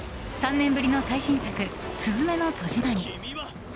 ３年ぶりの最新作「すずめの戸締まり」。